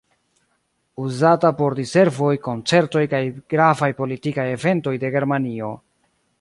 Uzata por diservoj, koncertoj kaj gravaj politikaj eventoj de Germanio.